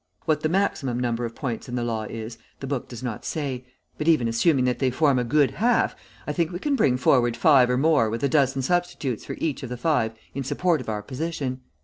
What the maximum number of points in the law is, the book does not say, but even assuming that they form a good half, I think we can bring forward five more with a dozen substitutes for each of the five in support of our position.